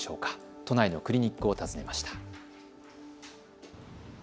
都内のクリニックを訪ねました。